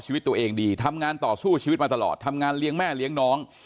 ชีวิตตัวเองดีทำงานต่อสู้ชีวิตมาตลอดทำงานเลี้ยงแม่เลี้ยงน้อง